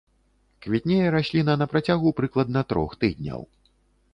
Квітнее расліна на працягу прыкладна трох тыдняў.